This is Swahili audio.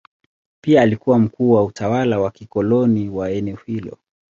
Pia alikuwa mkuu wa utawala wa kikoloni wa eneo hilo.